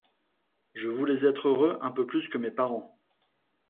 Je voulais être heureux un peu plus que mes parents.